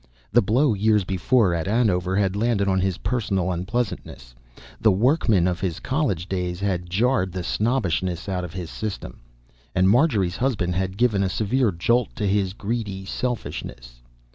The blow years before at Andover had landed on his personal unpleasantness; the workman of his college days had jarred the snobbishness out of his system, and Marjorie's husband had given a severe jolt to his greedy selfishness.